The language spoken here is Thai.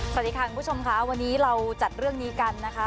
สวัสดีค่ะคุณผู้ชมค่ะวันนี้เราจัดเรื่องนี้กันนะคะ